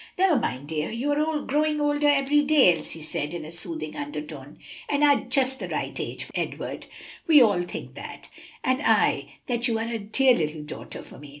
"Never mind, dear, you are growing older every day," Elsie said in a soothing undertone, "and are just the right age for Edward. We all think that, and I that you are a dear little daughter for me."